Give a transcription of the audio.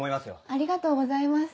ありがとうございます。